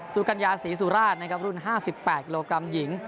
สุกัญญาศรีสุราชนะครับรุ่น๕๘กิโลกรัมหญิง